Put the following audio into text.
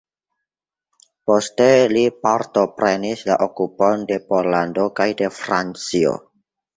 Poste li partoprenis la okupon de Pollando kaj de Francio.